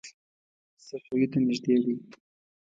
صفوي ته نږدې دی.